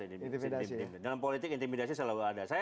dalam politik intimidasi selalu ada